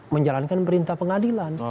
menjalankan perintah pengadilan